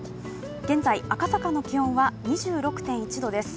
現在赤坂の気温は２６．１度です。